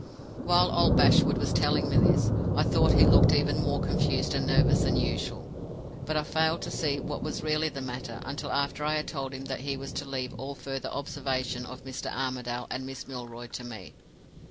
"While old Bashwood was telling me this, I thought he looked even more confused and nervous than usual. But I failed to see what was really the matter until after I had told him that he was to leave all further observation of Mr. Armadale and Miss Milroy to me.